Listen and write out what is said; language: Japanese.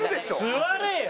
座れよ！